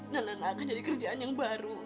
lana akan jadi kerjaan yang baru